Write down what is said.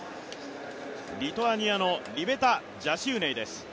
リトアニアのリベタ・ジャシウネイです。